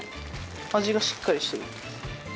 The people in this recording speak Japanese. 味がしっかりしてる。